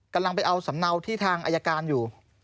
กำลังไปเอาสำเนาที่ทางอายการอยู่